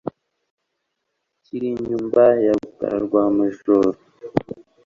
Kira nyumba ya rukara rwa Majoro